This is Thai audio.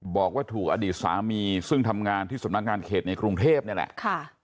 บอกว่าถูกอดีตสามีซึ่งทำงานที่สำนักงานเขตในกรุงเทพนี่แหละ